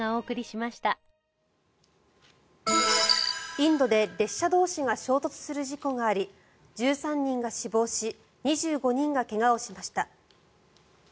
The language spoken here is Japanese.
インドで列車同士が衝突する事故があり１３人が死亡し２５人が怪我をしました。